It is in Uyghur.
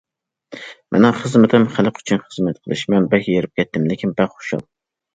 مېنىڭ خىزمىتىم خەلق ئۈچۈن خىزمەت قىلىش، مەن بەك ھېرىپ كەتتىم، لېكىن بەك خۇشال.